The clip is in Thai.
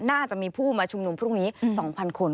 น่าจะมีผู้มาชุมนุมพรุ่งนี้๒๐๐คน